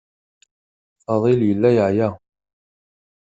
Faḍil yella yeɛya.